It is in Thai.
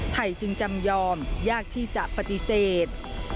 จึงจำยอมยากที่จะปฏิเสธ